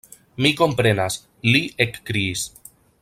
Mi komprenas, li ekkriis.